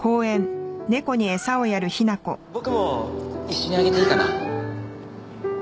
僕も一緒にあげていいかな？